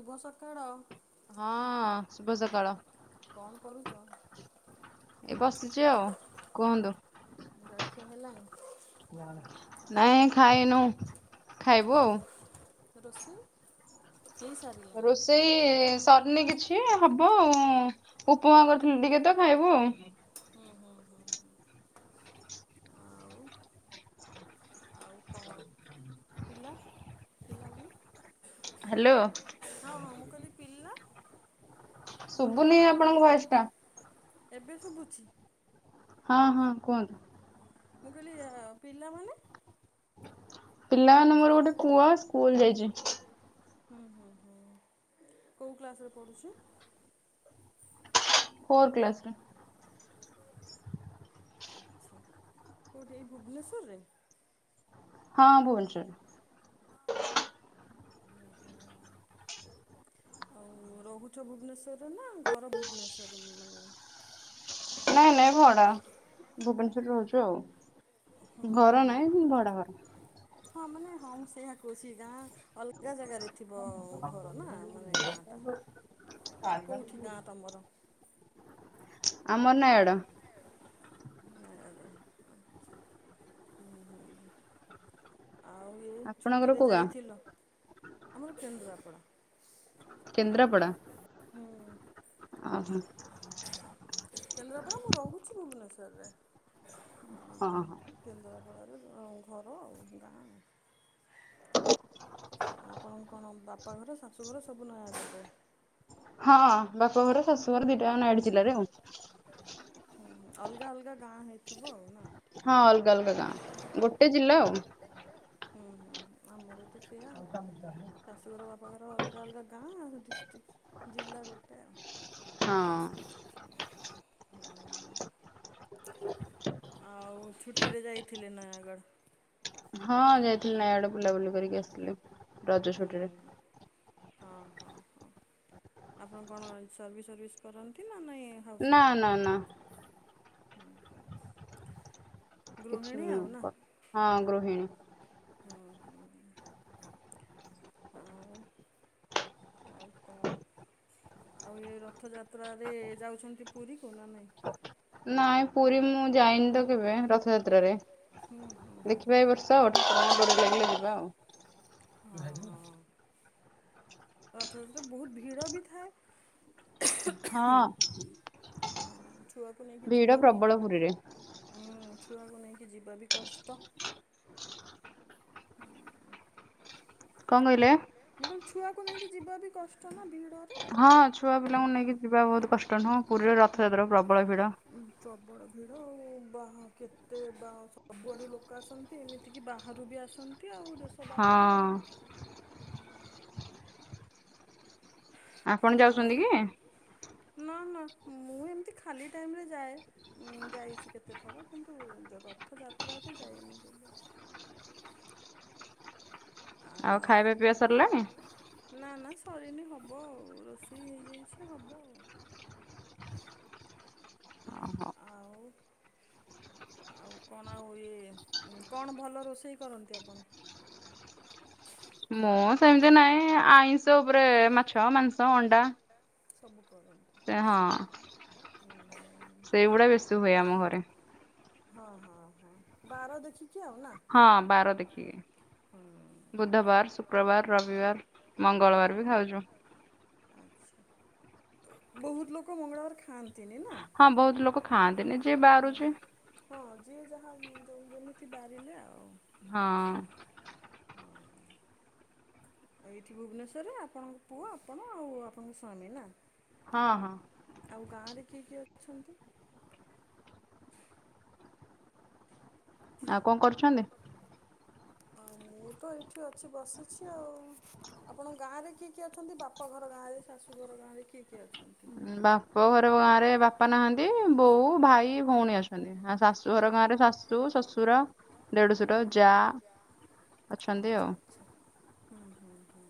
ଶୁଭ ସକାଳ। ହଁ। ଶୁଭ ସକାଳ। କଣ କରୁଚ? ଏ ବସିଛି ଆଉ କୁହନ୍ତୁ। ଜଳଖିଆ ହେଲାଣି ନାଇଁ ଖାଇନୁ। ଖାଇବୁ ଆଉ। ରୋଷେଇ ହେଇସାରି ରୋଷେଇ ସରିନି କି ଛେ ହବ ଆଉ ଉଁ। ଉପମା କରିଥିଲି ଟିକେ ତ ଖାଇବୁ ଆଉ। ହୁଁ ହୁଁ ହୁଁ। ଆଉ ଆଉ କଣ ପିଲା। ପିଲାମାନେ। ହ୍ୟାଲୋ। ହଁ ହଁ ମୁଁ କହିଲି ପିଲା। ଶୁବୁନି ଆପଣଙ୍କ ଭଏସ୍ ଟା। ଏବେ ଶୁଭୁଛି। ହଁ ହଁ କୁହନ୍ତୁ। ମୁଁ କହିଲି ଆ ପିଲାମାନେ। ପିଲା ମାନେ ମୋର ଗୋଟେ ପୁଅ ସ୍କୁଲ ଯାଇଚି। ହୁଁ ହୁଁ ହୁଁ କୋଉ କ୍ଲାସରେ ପଢୁଛୁ? ଫୋର୍ କ୍ଲାସ ରେ। ଆଚ୍ଛା କୋଉଠି ଏଇ ଭୁବନେଶ୍ଵରରେ? ହଁ ଭୁବନେଶ୍ୱରରେ। ଆଉ ରହୁଛ ଭୁବନେଶ୍ୱରରେ ନା ଘର ଭୁବନେଶ୍ୱର ମାନେ ନାଇଁ ନାଇଁ ଭଡା ଭୁବନେଶ୍ଵରରେ ରହୁଛୁ ଆଉ। ହଁ ଘର ହଁ। ନାହିଁ ଭଡା ଘର। ହଁ ମାନେ ହଁ ମୁଁ ସେଇଆ କହୁଛି ଗାଁ ଅଲଗା ଜାଗାରେ ଥିବ ଘର ନା ମାନେ ଗାଁଟା କୋଉଁଠି ଗାଁ ତମର? ଆମର ନାୟଗଡ। ଆଁ [unintelligible] ହୁଁ ହୁଁ ହୁଁ। ଆଉ ଏଇ ଆପଣଙ୍କର ଛୁଟିରେ କୋଉ ଗାଁ ଯାଇଥିଲ ଆମର କେନ୍ଦ୍ରାପଡ଼ା। କେନ୍ଦ୍ରାପଡ଼ା ହୁଁ ଓହୋ। କେନ୍ଦ୍ରାପଡ଼ା ମୁଁ ରହୁଛି ଭୁବନେଶ୍ୱରରେ। ହଁ ଆଉ ହଁ। କେନ୍ଦ୍ରାପଡ଼ାରେ ଘର ଆଉ ଗାଁ। ଆପଣଙ୍କର କଣ ବାପା ଘର ଶାଶୁଘର ସବୁ ନୟାଗଡ଼ ରେ? ହଁ ବାପଘର ଶାଶୁ ଘର ଦିଟା ନୟାଗଡ଼ ଜିଲ୍ଲାରେ ଆଉ। ହୁଁ ହୁଁ ଅଲଗା ଅଲଗା ଗାଁ ହେଇଥିବ ଆଉ ନା? ହଁ ଅଲଗା ଅଲଗା ଗାଁ ଗୋଟେ ଜିଲ୍ଲା ଆଉ। ହୁଁ ହୁଁ ଆମର ତ ସେଇଆ ଆଉ। ମିା [unintelligible] ଶାଶୁଘର ବାପା ଘର ଅଲଗା ଅଲଗା ଗାଁ ଆ ଡିଷ୍ଟ୍ରିକ୍ ଜିଲ୍ଲା ଗୋଟେ ଆଉ। ହଁ ହୁଁ। ଆଉ ଛୁଟିରେ ଯାଇଥିଲେ ନୟାଗଡ଼? ହଁ ଯାଇଥିଲି ନୟାଗଡ଼ ବୁଲାବୁଲି କରିକି ଆସିଲି। ହୁଁ। ହଁ ହଁ ହଁ ଆପଣ କଣ ସର୍ଭିସ୍ ସର୍ଭିସ୍ କରନ୍ତି ନା ନାଇଁ? ହାଉସ ନା ୱାଇଫ। ନା ନା ହୁଁ ହୁଁ। କିଛି ଗୃହିଣୀ ମୁଁ ଆଉ ନା। କ ହଁ ଗୃହିଣୀ। ହୁଁ ହୁଁ ହୁଁ। ଆଉ ଆଉ କଣ ଆଉ ଏ ରଥଯାତ୍ରାରେ ଯାଉଛନ୍ତି ପୁରୀକୁ ନା ନାହିଁ? ନାଇଁ ପୁରୀ ମୁଁ ଯାଇନି ତ କେବେ ରଥଯାତ୍ରାରେ। ହୁଁ ହୁଁ। ଦେଖିବା ଏ ବର୍ଷ ଠାକୁରଙ୍କ ଡୋରି ଲାଗିଲେ ଯିବା ହଁ ଆଉ। ରଥଯାତ୍ରରେ ବହୁତ ଭିଡ ବି ଥାଏ। ହଁ। ହଁ ଛୁଆକୁ ନେଇକି ଭିଡ ଯିବା ବି ପ୍ରବଳ ପୁରୀରେ। ହୁଁ ଛୁଆକୁ ନେଇକି ଯିବା ବି କଷ୍ଟ। କଣ କହିଲେ? ମୁଁ କହିଲ ଛୁଆକୁ ନେଇକି ଯିବା ବି କଷ୍ଟ ନା ଭିଡରେ। ହଁ ଛୁଆ ପିଲାଙ୍କୁ ନେଇକି ଯିବା ବହୁତ କଷ୍ଟ ନୁହଁ ପୁରୀରେ ରଥଯାତ୍ରା ପ୍ରବଳ ଭିଡ। ଉ ପ୍ରବଳ ଭିଡ ଆଉ ବାହା କେତେ ବା ସବୁଆଡୁ ଲୋକ ଆସନ୍ତି ଏମିତି ଏତିକି ବାହାରୁ ବି ଆସନ୍ତି ଆଉ ଦେଶ ହଁ ବାହାରୁ ଆଉ। ଆପଣ ଆଉ ଯାଉଛନ୍ତି କି? ନା ନା ମୁଁ ଏମିତି ଖାଲି ଟାଇମରେ ଯାଏ। ଉଁ ଯାଇଛି କେତେଥର କିନ୍ତୁ ରଥଯାତ୍ରାରେ ଯାଇନି କେବେ। ଆଉ ଖାଇବା ପିଇବା ସରିଲାଣି? ନା ନା ସରିନି ହବ ଆଉ ରୋଷେଇ ହେଇଯାଇଛି ହବ ଆଉ। ଓହୋ। ଆଉ। ଆଉ କଣ ଆଉ ଇଏ କଣ ଭଲ ରୋଷେଇ କରନ୍ତି ଆପଣ? ମୋ ସେମିତି ନାହିଁ ଆଇଁଷ ଉପରେ ମାଛ, ମାଂସ, ଅଣ୍ଡା। ସବୁ କର। ସେ ହଁ। [unintelligible] ଓ ହୋ ସେଇଗୁଡା ବେଶୀ ହୁଏ ଆମ ଘରେ। ହଁ, ହଁ, ହଁ ବାର ଦେଖିକି ଆଉ ନା ହଁ ବାର ହୁଁ ଦେଖିକି ବୁଧବାର, ଶୁକ୍ରବାର, ରବିବାର। ମଙ୍ଗଳବାରେ ବି ଖାଉଚୁ। ଆଛା ବହୁତ ଲୋକ ମଙ୍ଗଳବାରେ ଖାଆନ୍ତି ନି ନା ହଁ, ବହୁତ୍ ଲୋକ ଖାଆନ୍ତିନି ଯିଏ ବାରୁଛି। ହଁ, ଯିଏ ଯାହା ଦଉଛନ୍ତି ଯିଏ ବାରିଲେ ଆଉ ହଁ। [unintelligible] ଏଇଠି ଭୁବନେଶ୍ୱରରେ ଆପଣଙ୍କ ପୁଅ, ଆପଣ ଆଉ, ଆପଣଙ୍କ ସ୍ୱାମୀ ନା ହଁ, ହଁ। ଆଉ ଗାଁରେ କିଏ କିଏ ଅଛନ୍ତି? ଆଉ କଣ କରୁଛନ୍ତି? ହଁ ମୁଁତ ଏଇଠି ଅଛି ବସିଛି ଆଉ ଆପଣଙ୍କ ଗାଁରେ କିଏ କିଏ ଅଛନ୍ତି ବାପ ବାପ ଘର ଗାଁରେ ଶାଶୁଘର ଗାଁରେ କିଏ କିଏ ଅଛନ୍ତି? ବାପ ଘର ଗାଁରେ ବାପା ନାହାନ୍ତି ବୋଉ, ଭାଇ, ଭଉଣୀ ଅଛନ୍ତି ଆଉ ଶାଶୁ ଘର ଗାଁରେ ଶାଶୁ ଶାଶୁ, ଶଶୁର, ଦେଢଶୁର, ଯା ଅଛନ୍ତି ଆଉ। ଆଛା ଆଛା ହୁଁ, ହୁଁ, ହୁଁ।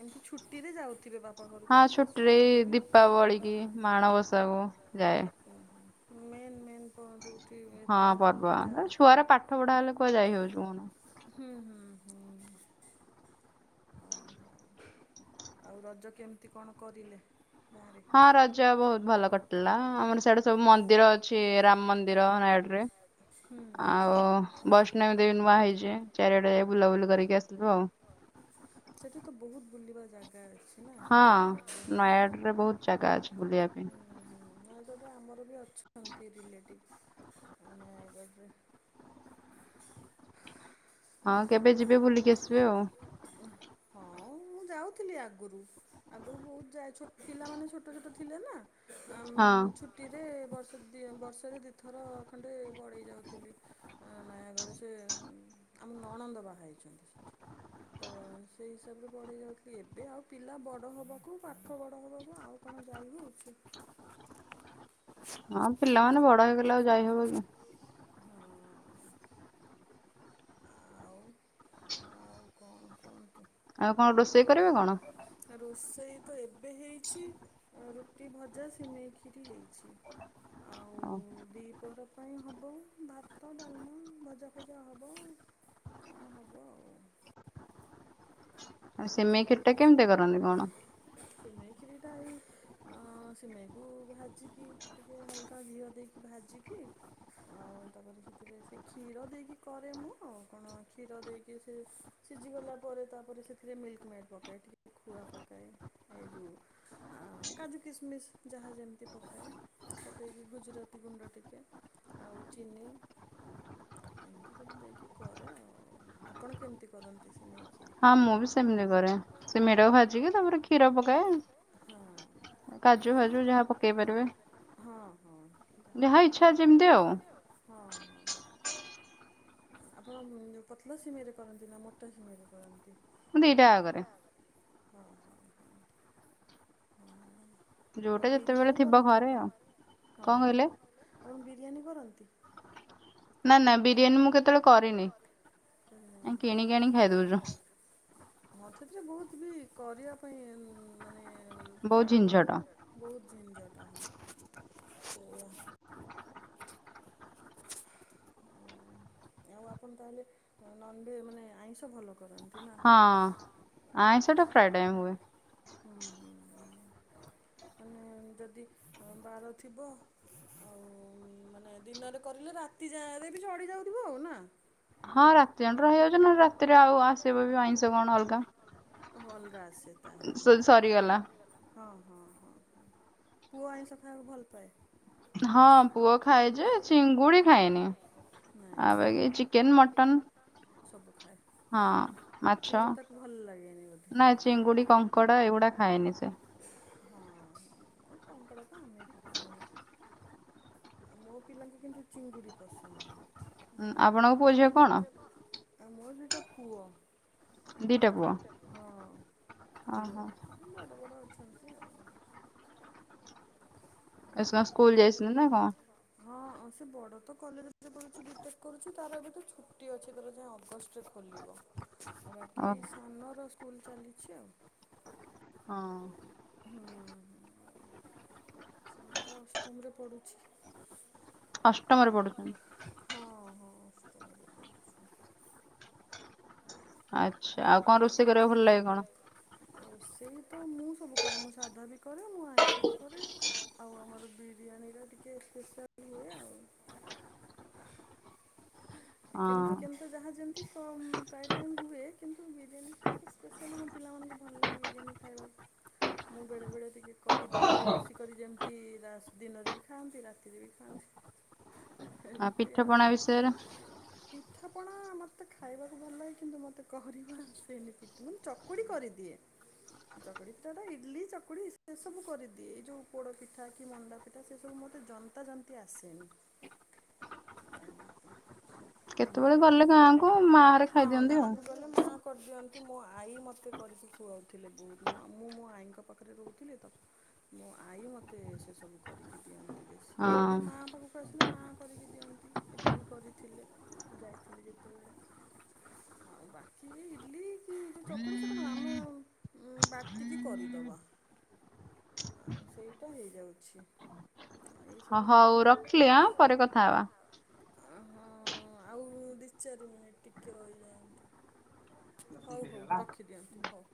ଏମିତି ଛୁଟିରେ ଯାଉଥିବେ ବାପ ବାପା ଘରକୁ ବି ହଁ ଶାଶୁ ଛୁଟିରେ ଘରକୁ ଏଇ ବି ଦୀପାବଳି କି ମାଣବସା କୁ ଯାଏ। ମେନ୍ ମେନ୍ ଭୋରୁ ହଁ ଉଠିଥାଏ ନା ପର୍ବ ପୂଜା ଏ ଛୁଆର ପାଠ ପଢା ହେଲେ କୁଆଡେ ଯାଇ ହଉଛି କହୁନ। ହୁଁ, ହୁଁ, ହୁଁ। ଓହୋ ଆଉ ରଜ କେମିତି କଣ କରିଲେ ଗାଁ ରେ? ହଁ ରଜ ବହୁତ ଭଲ କଟିଲା ଆମର ସିଆଡୁ ସବୁ ମନ୍ଦିର ଅଛି ରାମ ମନ୍ଦିର ନୟାଗଡରେ। ହୁଁ ହୁଁ ଆଉ ହୁଁ ବୈଷ୍ଣବୀ ଦେବୀ ନୂଆ ହେଇଛି ଚାରିଆଡେ ଯାଇ ବୁଲାବୁଲି କରିକି ଆସଥିଲୁ ଆଉ। ସେଠି ତ ବହୁତ ବୁଲିବା ଜାଗା ଅଛି ନା ହଁ, ନୟାଗଡ଼ରେ। ନୟାଗଡରେ ବହୁତ ଜାଗା ଅଛି ବୁଲିବାକୁ। ହୁଁ, ହୁଁ ନୟାଗଡ଼ରେ ଆମରବି ଅଛନ୍ତି ରିଲେଟିଭ ନୟାଗଡ଼ରେ। ହଉ କେବେ ଯିବେ ବୁଲିକି ଆସିବେ [unintelligible] ହଁ ମୁଁ ଯାଉଥିଲି ଆଗରୁ ଆଗରୁ ବହୁତ ଯାଏ ଛୋଟ୍ ପିଲାମାନେ ଛୋଟ ଛୋଟ ଥିଲେନା ହଁ ଆଉ ଛୁଟିରେ ବର୍ଷ ବର୍ଷରେ ଦିଥର ଖଣ୍ଡେ ପଳେଇ ଯାଉଥିଲି [unintelligible] ଆ ନୟାଗଡ଼ ସେ ଆମ ନଣନ୍ଦ ବାହାହୋଇଛନ୍ତି। ତ ସେଇ ହିସାବରେ ପଳେଇ ଯାଉଥିଲି। ଏବେ ଆଉ ପିଲା ବଡ ହେବାକୁ ପାଠ ବଡ ହେବାକୁ ଆଉ କଣ ଯାଇହଉଚି? ହଁ ପିଲାମାନେ ବଡ ହେଇଗଲେ ଆଉ ଯାଇ ହବକି? ହଁ ଆଉ ଆଉ କଣ କଣ ଆଉ କଣ ରୋଷେଇ କରିବେ କଣ? ରୋଷେଇତ ଏବେ ହେଇଛି, ରୁଟି ଭଜା ସିମେଇଖିରି ହେଇଛି। ଆଉ ଦିପହର ପାଇଁ ହବ ଭାତ, ଡାଲମା, ଭଜା ଫଜା ହବ। କଣ ହବ ଆଉ? ଆଉ ଆଜି ସିମେଇ ଆଉ କ୍ଷୀରିଟା କିଛି କେମିତି କରନ୍ତି କଣ? ସିମେଇ ଖିରି ଟା ଏଇ ସିମେଇକୁ ଭାଜିକି ଟିକେ ହାଲକା ଘିଅ ଦେଇକି ଭାଜିିକି ଆଉ ତାପରେ ସେଥିରେ ସେ କ୍ଷୀର ଦେଇକି କରେ ମୁଁ ଆଉ କଣ କ୍ଷୀର ଦେଇକି ସେ ସିଝିଗଲା ପରେ ତାପରେ ସେଥିରେ ମିଲ୍କ ମେଡ଼୍ ପକାଏ, ଟିକେ ଖୁଆ ପକାଏ ଏ ଯେଉଁ ଆ କାଜୁ କିସମିସ୍ ଯାହା ଯେମିତି ପକାଏ। ପକେଇକି ଗୁଜୁରାତି ଗୁଣ୍ଡ ଟିକେ ଆଉ ଚିନି ଏମିତି ସବୁ ଦେଇକି କରେ ଆଉ, ଆପଣ କେମିତି କରନ୍ତି ସିମେଇ କ୍ଷୀରି? ହଁ ମୁଁ ବି ସେମିତି କରେ ସିମେଇ ଟାକୁ ଭାଜିକି ତାପରେ କ୍ଷୀର ପକାଏ। ହଁ ହଁ କାଜୁ ସେ ଫାଜୁ ଯାହା ପକେଇ ପାରିବେ। ହଁ ହଁ ଯାହା ଇଚ୍ଛା ପକେଇପାରିବେ। ତମ ଇଛା ଆଉ ଯେମିତି। ମୁଁ ହଁ ହଁ ଆପଣ ପତଳା ସିମେଇ ରେ କରନ୍ତି ନା ମୋଟା ସିମେଇରେ କରନ୍ତି? ଦିଟା କରେ। ଦିଇଟା ଯାଙ୍କରେ। ହଁ ହଁ ହଁ ହଁ ଯୋଉଟା ଆଉ ଯେତେବେଳେ ବିରିୟାନୀ ଥିବ କରନ୍ତି ଘରେ ଆଉ ଆପଣ? ହଁ, କଣ କହିଲେ? ଆପଣ ବିରିୟାନୀ କରନ୍ତି? ନା ନା ବିରିୟାନୀ ମୁଁ କେତେବେଳେ କରିନି, କରିନାହାନ୍ତି। କିଣିିକି ଆଣିକି ଖାଇଦେଉଛୁ। ହଁ ସେଥିରେ ବହୁତ ବି କରିବା ପାଇଁ ମାନେ ବହୁତ କମ ଝିନଝଟ ଲୋକକୁ ବହୁତ ଝିଂଝଟ, ହଁ ସେଇଆ। ଓ ଆଉ ଆପଣ ତାହେଲେ ନ ମାନେ ଆଇଁଷ ଭଲ କରନ୍ତି ନା? ହଁ ଆଇଁଷଟା ପ୍ରାୟ ଟାଇମ ହୁଏ। ହୁଁ ହୁଁ ହୁଁ ମାନେ ଯଦି ବାର ଥିବ ଆଉ ମାନେ ଦିନରେ କରିଲେ ରାତି ଯାଏଁ ହେଲେବି ଚଳି ଯାଉଥିବ ଆଉ ନା? ହଁ ରାତି ଅଣ୍ଟରେ ହେଇଯାଉଛି ନା ରାତିରେ ଆଉ ଆସିବ ବି ଆଇଁଷ କଣ ଅଲଗା। ସବୁ ଅଲଗା ଆସେ ତାହ ସୋ ସରିଗଲା ହଁ ହଁ ହଁ ପୁଅ ଆଇଁଷ ଖାଇବାକୁ ଭଲ ପାଏ? ହଁ ପୁଅ ଖାଏ ଯେ ଚିଙ୍ଗୁଡି ଖାଏନି ନାଇଁ ଆଉ ବାକି ଚିକ୍ କେନ୍ ମଟନ୍ ସବୁ ଖାଏ। ହଁ ମାଛ ଚିଙ୍ଗୁଡ଼ି ତାକୁ ଭଲ ଲାଗେନି ବୋଧେ। ନା ଚିଙ୍ଗୁଡି କଙ୍କ ଙ୍କଡ଼ା ଏଗୁଡା ଖାଏନି ସେ। ହଁ ଏ କଙ୍କଡ଼ା ତ ଆମେ ବି ଖାଉନି। ଆଉ ମୋ ପିଲାଙ୍କୁ କିନ୍ତୁ ଚିଙ୍ଗୁଡ଼ି ପସନ୍ଦ ବହୁତ। ଆପଣଙ୍କ ପୁଅ ଝିଅ ଙ୍କୁ କଣ? ଆ ମୋର ଦିଟା ପୁଅ, ଦିଟା ପୁଅ ହଁ ଓହୋ ପୁଅ ବଡ଼ବଡ ଅଛନ୍ତି ଆଉ। ଏ ସ ସବୁ ସ୍କୁଲ ଯାଇଛନ୍ତି ନା କଣ? ଯାଇଚନ୍ତି ଆଉ। ହଁ ସେ ବଡ ତ କଲେଜରେ ପଢ଼ୁଚି ବି ଟେକ୍ କରୁଚି ତାର ଏବେ ତ ଛୁଟି ଅଛି ତାର ଯାଇଁ ଅଗଷ୍ଟ ରେ ଖୋଲିବ। ଆଉ ଓ ବାକି ଏଇ ସାନର ସ୍କୁଲ ଚାଲିଚି ଆଉ। ହଁ। ହଁ। ଟା ଅଷ୍ଟମରେ ପଢ଼ୁଛି। ଅଷ୍ଟମରେ ପଢୁଛନ୍ତି ହଁ ହଁ ଅଷ୍ଟମରେ ପଢୁ ଆଚ୍ଛା ଆଉ କଁ ରୋଷେଇ କରିବାକୁ ଭଲ ଲାଗେ କଣ? ରୋଷେଇ ତ ମୁଁ ସବୁ କରେ ମୁଁ ସାଧା ବି କରେ ମୁଁ ଆଇଁଷ ବି କରେ। ଆଉ ଆମର ବିରିୟାଣୀ ର ଟିକେ ସ୍ପେଶାଲ ଚିକେନ୍ ହଁ ଫିକେନ୍ ତ ଯାହା ଯେମିତି ତ ପ୍ରାୟ ଟାଇମ୍ ହୁଏ କିନ୍ତୁ ବିରିୟାନୀ ସ୍ପେସିଆଲି ମୋ ପିଲାମାନଙ୍କୁ ଭଲ ଲାଗେ ବିରିୟାନୀ ଖାଇବାକୁ। ମୁଁ ବେଳେବେଳେ ଟିକେ କରିଦିଏ ବେଶୀ କରି ଯେମିତି ରା ଦିନରେ ବି ଖାଆନ୍ତି ରାତିରେ ବି ଖାଆନ୍ତି। ଆଉ ପିଠା ଏମତିଆ। ପଣା ବିଷୟରେ ପିଠାପଣା ମୋତେ ଖାଇବାକୁ ଭଲ ଲାଗେ କିନ୍ତୁ ମୋତେ କରିବା ଆସେନି ପିଠ। ଚକୁଡ଼ି କରିଦିଏ। ଚକୁଡିଟା ଟା ଇଟିଲି୍ ଚକୁଡି ସେ ସବୁ କରିଦିଏ। ଏଇ ଯୋଉ ପୋଡ ପିଠା କି ମଣ୍ଡା ପିଠାସେସବୁ ମୋତେ ଜନ୍ତାଜନ୍ତୀ ଆସେନି। କେତେବେଳେ ବାାଇ ଗଲେ ଗାଁକୁ ଗାଁ ମା ଘରେ ଖାଇଦିଅନ୍ତି ଆଉ। ଗାଁ ଗ ମା [unintelligible] କରିଦିଅନ୍ତି ମୋ ଆଈ ମୋତେ କରିକି ଖୁଆଉଥିଲେ ବହୁତ୍ ମୁଁ ମୋ ଆଈଙ୍କ ପାଖରେ ରହୁଥିଲି ତ। ମୋ ଆଈ ମୋତେ ସେସବୁ କରିକି ଦିଅନ୍ତି ବେଶୀ ହଁ ଏବେ ମା ପାଖକୁ ଆସିଲେ ମାଆ କରିକି ଦିଅନ୍ତି। ଏବେ ବି କରିଥିଲେ ଯାଇଥିଲି ଯେତେବେଳେ। ଆଉ ବାକି ଇଡ୍ଲି କି ଯୋଉ ଚକୁଡି ସେ କଣ ଆମ ଉଁ ବାଟିକି କରିଦବା। ଆ ସେଇଟା ହେଇଯାଉଛି। ଏଇ ହ ସବୁ ହଉ ଜବନ ରଖିଲି ଆଁ ପରେ ରଖ କଥା ହବା। କଥାଁ [unintelligible] ଆଉ ଦି ଚାରି ମିନିଟ୍ ଟିକେ ରହିଯାଆନ୍ତୁ। ହଉ ହଉ ରଖିଦିଅନ୍ତୁ ହଉ।